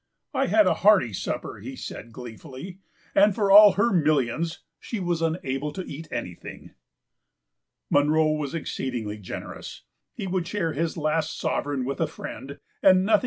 "I had a hearty supper," he said gleefully, "and for all her millions she was unable to eat anything." Munro was exceedingly generous. He would share his last sovereign with a friend, and nothing p.